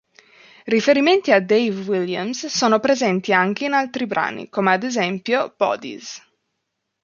Riferimenti a Dave Williams sono presenti anche in altri brani, come ad esempio "Bodies".